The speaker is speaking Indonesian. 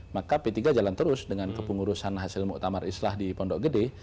maka p tiga jalan terus dengan kepengurusan hasil muktamar islah di pondok gede